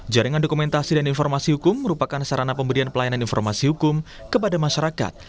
jaringan dokumentasi dan informasi hukum merupakan sarana pemberian pelayanan informasi hukum kepada masyarakat